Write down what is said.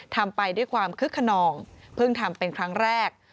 ทำไปด้วยความคึกขนองเพิ่งทำเป็นครั้งแรก